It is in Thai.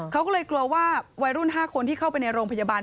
เขาก็เลยกลัวว่าวัยรุ่น๕คนที่เข้าไปในโรงพยาบาล